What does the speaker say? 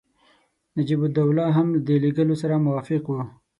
نجیب الدوله هم د لېږلو سره موافق وو.